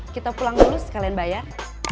kita pulang dulu sekalian bayar